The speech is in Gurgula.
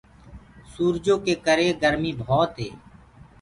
سورجو ڪي ڪري گآرمي ڀوت هي۔